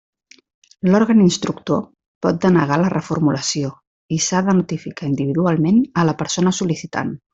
L'òrgan instructor pot denegar la reformulació i s'ha de notificar individualment a la persona sol·licitant.